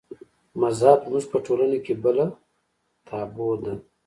مذهب زموږ په ټولنه کې بله تابو ده.